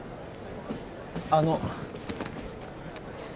あの。